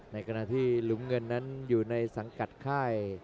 ในขณะที่หลุมเงินนั้นอยู่ในสังกัดค่าย